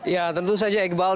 ya tentu saja iqbal